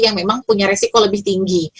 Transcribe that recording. yang memang punya resiko lebih tinggi